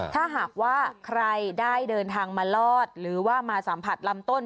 ถ้าหากว่าใครได้เดินทางมารอดหรือว่ามาสัมผัสลำต้น